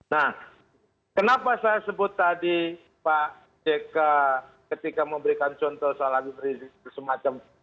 nah kenapa saya sebut tadi pak jk ketika memberikan contoh soal habib rizik semacam